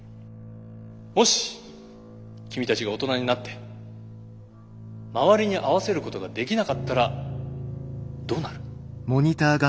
もし君たちが大人になって周りに合わせることができなかったらどうなる？